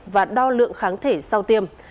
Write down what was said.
và đo lượng kháng thể sau tiêm